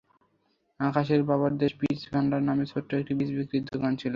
আকাশের বাবার দেশ বীজ ভান্ডার নামে ছোট একটি বীজ বিক্রির দোকান ছিল।